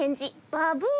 バブー。